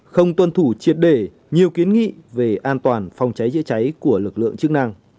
không tuân thủ triệt để nhiều kiến nghị về an toàn phòng cháy chữa cháy của lực lượng chức năng